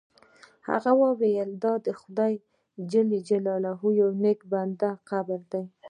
هغه وویل دا د خدای جل جلاله د یو نیک بنده قبر دی.